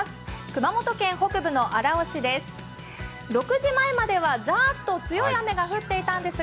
熊本県北部の荒尾市です。